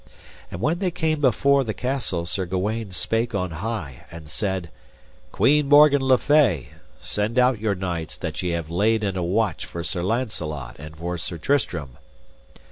And when they came afore the castle Sir Gawaine spake on high and said: Queen Morgan le Fay, send out your knights that ye have laid in a watch for Sir Launcelot and for Sir Tristram.